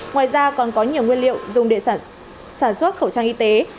ngoài ra còn có nhiều nguyên liệu dùng để sản xuất khẩu trang y tế